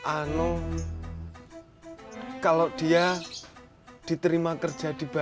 ano kalau dia diterima kerja dibayar